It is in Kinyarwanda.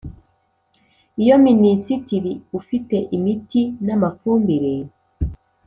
Iyo Minisitiri ufite imiti n amafumbire